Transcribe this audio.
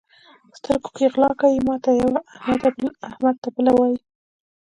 سترګو کې غلا کوي؛ ماته یوه، احمد ته بله وایي.